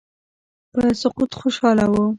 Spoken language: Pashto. په سقوط خوشاله وه.